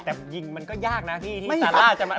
แต่ยิงมันก็ยากนะพี่ที่ซาร่าจะมา